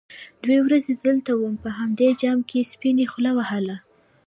_دوې ورځې دلته وم، په همدې جام کې سپي خوله وهله.